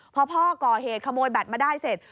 พอพ่อก่อเหตุขโมยแบตมาได้เสร็จ